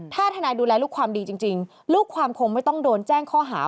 ถ้าทนายดูแลลูกความดีจริงลูกความคงไม่ต้องโดนแจ้งข้อหา